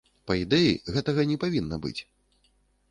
Па ідэі, гэтага не павінна быць.